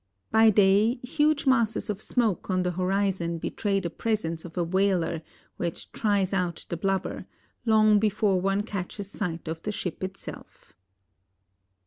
By day huge masses of smoke on the horizon betray the presence of a whaler which 'tries out' the blubber, long before one catches sight of the ship itself."